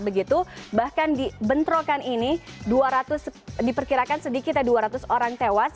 begitu bahkan di bentrokan ini diperkirakan sedikitnya dua ratus orang tewas